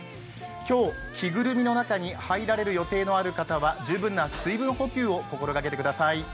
今日、着ぐるみの中に入られる予定のある方は十分な水分補給を心がけてください。